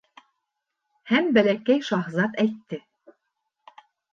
Һәм Бәләкәй шаһзат әйтте: